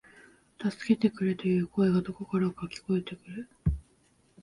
助けてくれ、という声がどこからか聞こえてくる